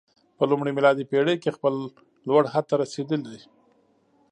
په لومړۍ میلادي پېړۍ کې خپل لوړ حد ته رسېدلی.